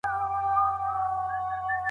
فیاض